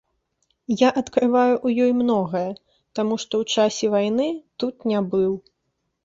Я адкрываю ў ёй многае, таму што ў часе вайны тут не быў.